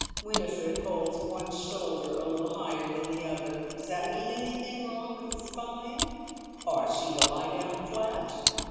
Winifred holds one shoulder a little higher than the other. Does that mean anything wrong with the spine? Ought she to lie down flat?